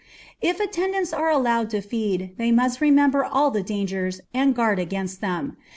If attendants are allowed to feed, they must remember all the dangers, and guard against them.